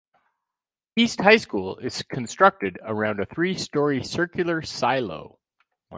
East High School is constructed around a three-story circular "silo".